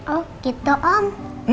oh gitu om